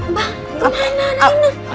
mbak kemana rena